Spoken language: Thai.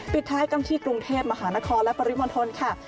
ปิดท้ายกันที่กรุงเทพมหานครและปริมณฑลค่ะ